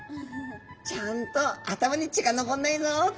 ちゃんと頭に血がのぼんないぞって。